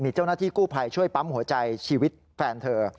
มีเจ้าหน้าที่กู้ภัยช่วยปั๊มหัวใจชีวิตแฟนเธอ